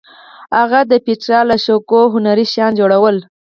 هغه د پېټرا له شګو هنري شیان جوړول.